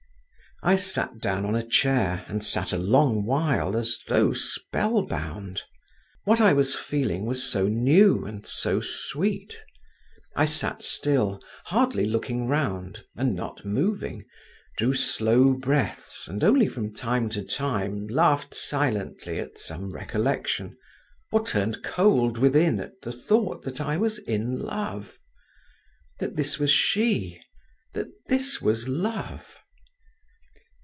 I sat down on a chair, and sat a long while, as though spell bound. What I was feeling was so new and so sweet…. I sat still, hardly looking round and not moving, drew slow breaths, and only from time to time laughed silently at some recollection, or turned cold within at the thought that I was in love, that this was she, that this was love.